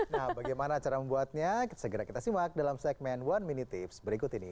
nah bagaimana cara membuatnya segera kita simak dalam segmen one minute tips berikut ini